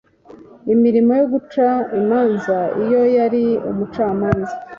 imirimo yo guca imanza iyo yari umucamanza